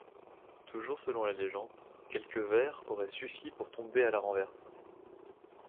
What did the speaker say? Toujours selon la légende, quelques verres auraient suffi pour tomber à la renverse.